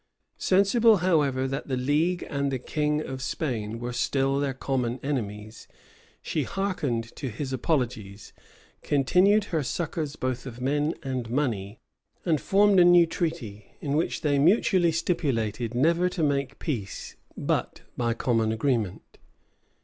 Sensible however, that the league and the king of Spain were still their common enemies, she hearkened to his apologies; continued her succors both of men and money; and formed a new treaty, in which they mutually stipulated never to make peace but by common agreement.